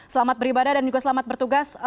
selamat beribadah dan juga selamat bertugas